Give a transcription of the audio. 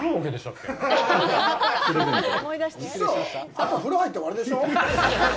あと風呂入って終わりでしょう？